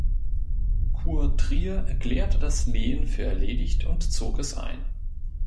Kurtrier erklärte das Lehen für erledigt und zog es ein.